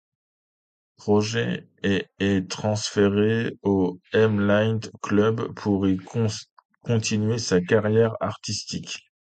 Project, et est transférée au M-line club pour y continuer sa carrière artistique.